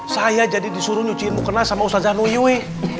saya jadi disuruh nyuciin mukena sama ustadz zanuyuy